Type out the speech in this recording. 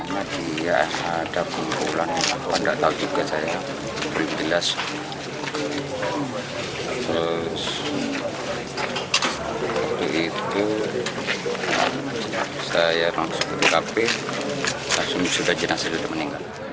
saya langsung ke tkp langsung disuruh jenazah sudah meninggal